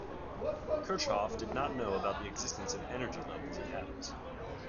Kirchhoff did not know about the existence of energy levels in atoms.